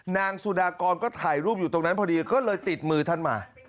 นางสุดากรก็ถ่ายรูปอยู่ตรงนั้นพอดีก็เลยติดมือท่านมา